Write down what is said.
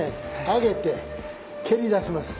上げて蹴りだします。